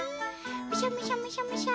「むしゃむしゃむしゃむしゃ」。